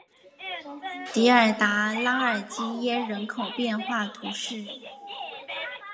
迪尔达拉尔基耶人口变化图示